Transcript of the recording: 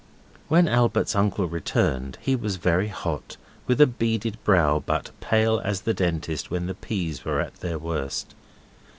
When Albert's uncle returned he was very hot, with a beaded brow, but pale as the Dentist when the peas were at their worst.